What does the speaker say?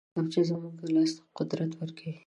کتابچه زموږ لاس ته قدرت ورکوي